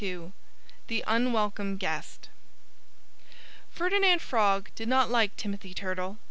XXII THE UNWELCOME GUEST Ferdinand Frog did not like Timothy Turtle.